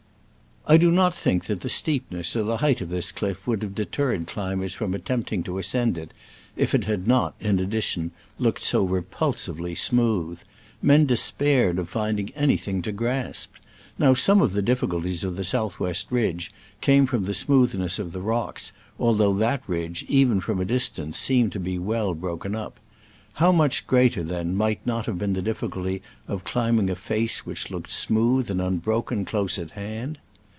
I do not think that the steepness or the height of this cliff would have deterred climbers from attempting to ascend it, if it had not, in addition, looked so repul sively smooth. Men despaired of find ing anything to grasp. Now, some of the difficulties of the south west ridge came from the smoothness of the rocks, although that ridge, even from a dis tance, seemed to be well broken up. How much greater, then, might not have been the difficulty of climbing a face which looked smooth and unbroken close at hand